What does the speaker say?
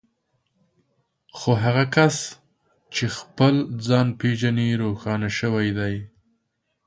خو هغه کس چې خپل ځان پېژني روښانه شوی دی.